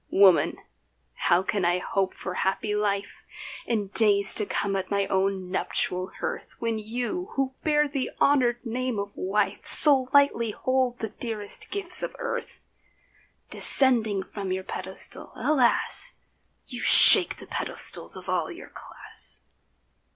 Woman, how can I hope for happy life In days to come at my own nuptial hearth, When you who bear the honoured name of wife So lightly hold the dearest gifts of earth? Descending from your pedestal, alas! You shake the pedestals of all your class.